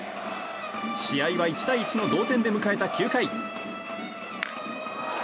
試合は１対１の同点で迎えた９回。